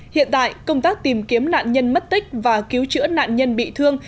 hiện tại công tác tìm kiếm nạn nhân mất tích và cứu chữa nạn nhân bị thương